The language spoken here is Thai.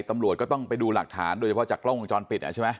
ตำรวจก็ต้องไปดูหลักฐานโดยเฉพาะจากกล้องวงจรปิดใช่ไหม